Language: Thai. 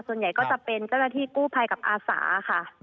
ส่วนใหญ่ก็จะเป็นเวลากู้ภัยกับอาสาค่ะ